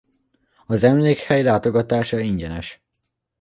Az emlékhely látogatása ingyenes.